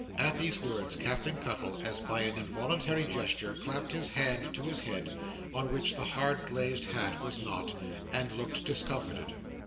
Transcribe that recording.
At these words Captain Cuttle, as by an involuntary gesture, clapped his hand to his head, on which the hard glazed hat was not, and looked discomfited.